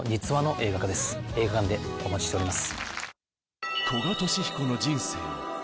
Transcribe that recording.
映画館でお待ちしております。